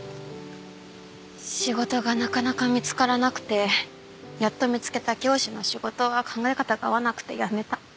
仕事がなかなか見つからなくてやっと見つけた教師の仕事は考え方が合わなくて辞めた。